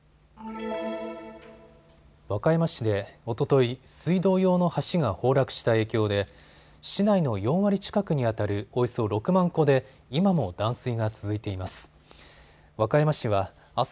和歌山市で、おととい水道用の橋が崩落した影響で市内の４割近くにあたるおよそ６万戸で今も断水が続いています。